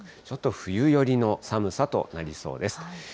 ちょっと冬寄りの寒さとなりそうです。